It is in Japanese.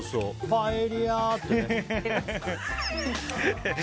パエリア！ってね。